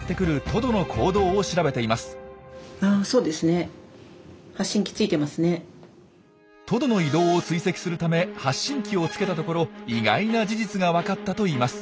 トドの移動を追跡するため発信機をつけたところ意外な事実が分かったといいます。